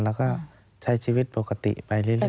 แล้วก็ใช้ชีวิตปกติไปเรื่อย